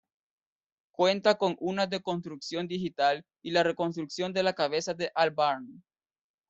Cuenta con una deconstrucción digital y la reconstrucción de la cabeza de Albarn.